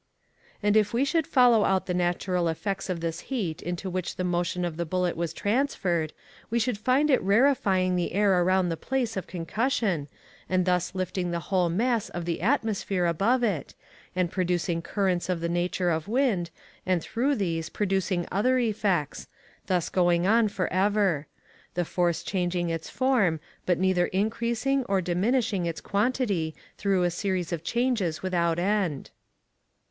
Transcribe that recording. And if we should follow out the natural effects of this heat into which the motion of the bullet was transferred, we should find it rarefying the air around the place of concussion, and thus lifting the whole mass of the atmosphere above it, and producing currents of the nature of wind, and through these producing other effects, thus going on forever; the force changing its form, but neither increasing or diminishing its quantity through a series of changes without end.